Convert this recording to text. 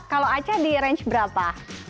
kalau aca di range berapa